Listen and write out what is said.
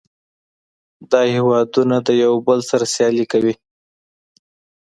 دا هیوادونه د یو بل سره سیالي کوي